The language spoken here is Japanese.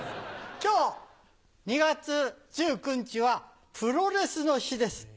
今日２月１９日はプロレスの日です。